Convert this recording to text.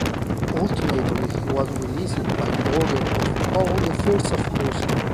Ultimately he was released by order of Paul the First of Russia.